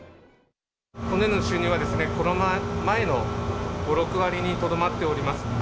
今年度の収入は、コロナ前の５、６割にとどまっております。